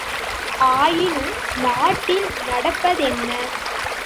ஆயினும் நாட்டில் நடப்பதென்ன?